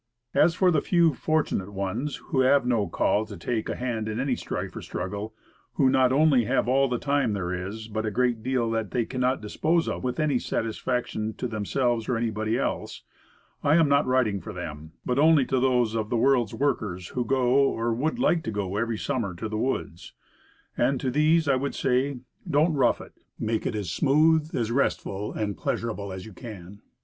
As for the few fortunate ones who have no call to take a hand in any strife or struggle, who not only have all the time there is, but a great deal that they Take It Easy, 19 cannot dispose of with any satisfaction to themselves or anybody else I am not writing for them; but only to those of the world's workers who go, or would like to go, every summer to the woods. And to these I would say, don't rough it; make it as smooth, as restful and pleasurable as you can.